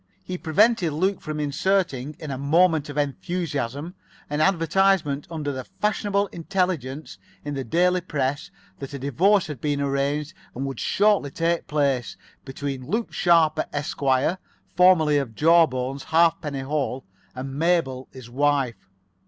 He prevented Luke from inserting, in a moment of enthusiasm, an advertisement under the Fashionable Intelligence in the daily press that a divorce had been arranged and would shortly take place, between Luke Sharper, Esq., formerly of Jawbones, Halfpenny Hole, and Mabel, his wife.